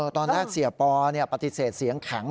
ตอนแรกเสียบพอเนี่ยปฏิเสธเสียงแข็ง